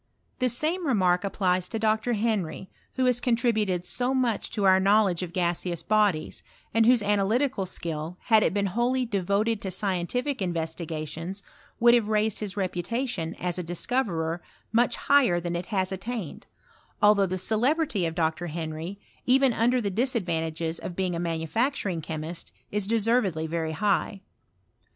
The same remark applies to Dr. Henry, who has nontributed so much to our knowledge of gaseous bodies, and whose analytical skill, had it been wholly devoted to scientific investigatioM, would have raiBed his reputation, as a discoverer, much higher than it has attained; althougt the celebrity of Dr. Henry, even under the disadvantages of being a manufacturing chemist, is deservedly very high.